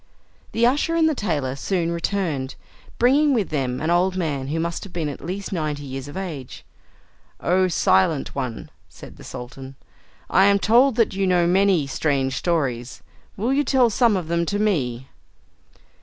The usher and the tailor soon returned, bringing with them an old man who must have been at least ninety years of age. "O Silent One," said the Sultan, "I am told that you know many strange stories. Will you tell some of them to me?"